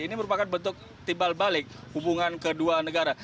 ini merupakan bentuk timbal balik hubungan kedua negara